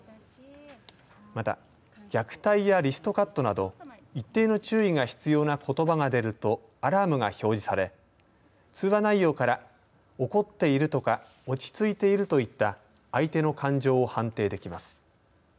また、虐待やリストカットなど一定の注意が必要なことばが出るとアラームが表示され通話内容から怒っているとか落ち着いているといった相手の感情を判定できます。